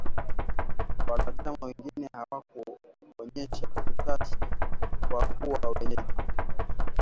Wanachama wengine hawakuonyesha utashi wa kuwa wenyeji